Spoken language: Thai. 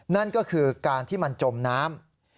นั่นก็คือการที่มันจมน้ำ